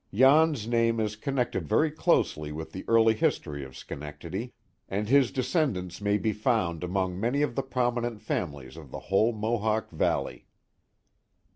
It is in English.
Jan's name is connected very closely with the early history of Schenectady, and his descendants may be found among many of the prominent families of the whole Mohawk Valley.